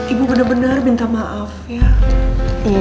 ibu benar benar minta maaf ya